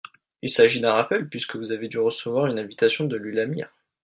il s’agit d’un rappel puisque vous avez dû recevoir une invitation de l’ULAMIR.